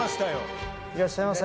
いらっしゃいませ。